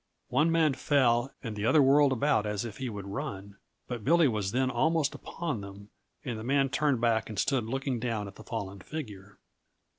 One man fell and the other whirled about as if he would run, but Billy was then almost upon them and the man turned back and stood looking down at the fallen figure.